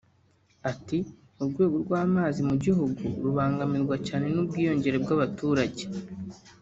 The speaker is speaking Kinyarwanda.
Ati “Urwego rw’amazi mu gihugu rubangamirwa cyane n’ubwiyongere bw’abaturage